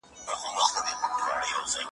هر ګړی نوی شهید وي هر ساعت د کونډو ساندي `